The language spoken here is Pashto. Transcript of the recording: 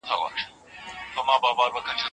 چي به چا ورکړل لوټونه غیرانونه